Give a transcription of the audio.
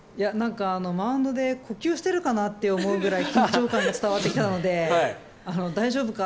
マウンドで呼吸してるかな？って思うくらい緊張感が伝わってきたので大丈夫か？